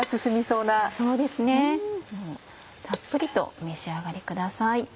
そうですねたっぷりとお召し上がりください。